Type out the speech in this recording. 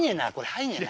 入んねえな。